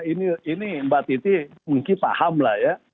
ini mbak titi mungkin paham lah ya